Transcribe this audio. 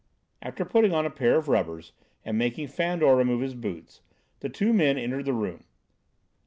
After putting on a pair of rubbers and making Fandor remove his boots, the two men entered the room.